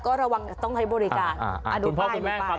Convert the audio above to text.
ก็ระวังต้องใช้บริการดูป้าย